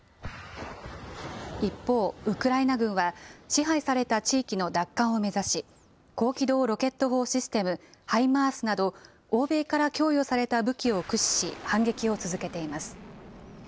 一方、ウクライナ軍は、支配された地域の奪還を目指し、高機動ロケット砲システム・ハイマースなど、欧米から供与された武器を駆使し、反撃を続けています。